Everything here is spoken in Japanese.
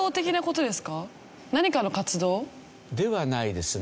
何かの活動？ではないですね。